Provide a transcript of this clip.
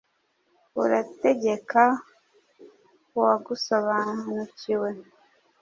Urategeka uwagusobanukiwe